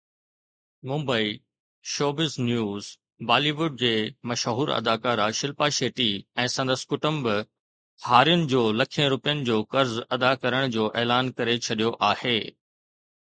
Mumbai (showbiz news) Bollywood جي مشهور اداڪارا شلپا شيٽي ۽ سندس ڪٽنب هارين جو لکين روپين جو قرض ادا ڪرڻ جو اعلان ڪري ڇڏيو آهي.